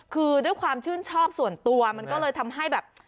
คือด้วยความชื่นชอบส่วนตัวมันก็เลยทำให้แบบ